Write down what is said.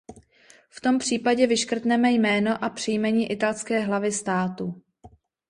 V tom případě vyškrtneme jméno a příjmení italské hlavy státu.